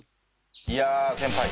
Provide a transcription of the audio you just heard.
いや先輩。